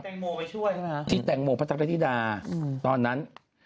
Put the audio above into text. ที่แต่งโมวไปช่วยใช่ไหมฮะที่แต่งโมวพระศักดิ์ธิดาตอนนั้น